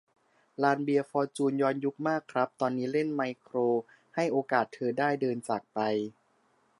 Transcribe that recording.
ลานเบียร์ฟอร์จูนย้อนยุคมากครับ ตอนนี้เล่นไมโคร "ให้โอกาสเธอ ได้เดินจากไป "